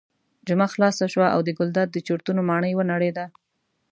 جمعه خلاصه شوه او د ګلداد د چورتونو ماڼۍ ونړېده.